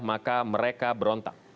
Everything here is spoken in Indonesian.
maka mereka berontak